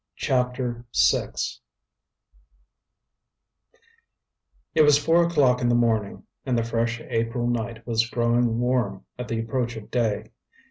CHAPTER VI It was four o'clock in the morning, and the fresh April night was growing warm at the approach of day.